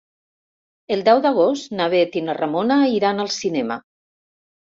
El deu d'agost na Bet i na Ramona iran al cinema.